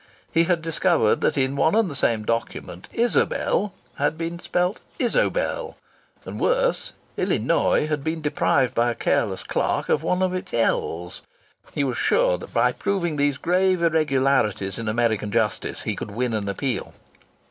He had discovered that in one and the same document "Isabel" had been spelt "Isobel" and worse Illinois had been deprived by a careless clerk of one of its "l's." He was sure that by proving these grave irregularities in American justice he could win an appeal.